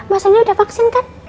mas lendi udah vaksin kan